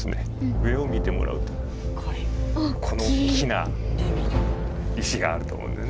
上を見てもらうとこのおっきな石があると思うんだよね。